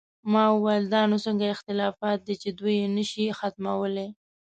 ما وویل: دا نو څنګه اختلافات دي چې دوی یې نه شي ختمولی؟